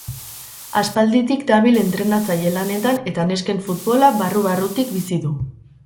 Aspalditik dabil entrenatzaile lanetan eta nesken futbola barru barrutik bizi du.